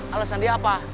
alasan dia apa